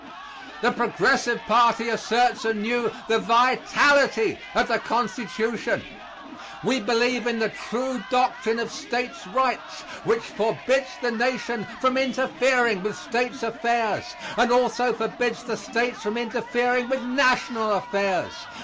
The Progressive party asserts anew the vitality of the Constitution. We believe in the true doctrine of states' rights, which forbids the Nation from interfering with states' affairs, and also forbids the states from interfering with national affairs.